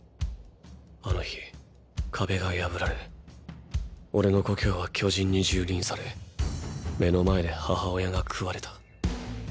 あの日壁が破られオレの故郷は巨人に蹂躙され目の前で母親が食われた。